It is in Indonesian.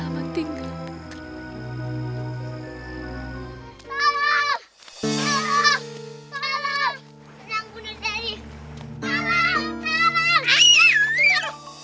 maafin bunda dari ya